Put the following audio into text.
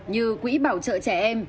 như quỹ bảo trợ trẻ em